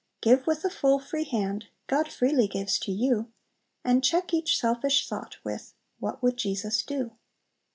"Give with a full, free hand; God freely gives to you! And check each selfish thought With, 'What would Jesus do?'"